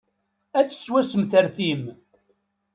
Ad tettwassemsertim.